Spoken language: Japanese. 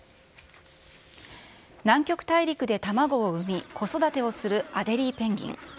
南極大陸で卵を産み、子育てをするアデリーペンギン。